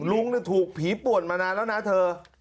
ลุงถูกผีป่วนมานานแล้วนะเธอ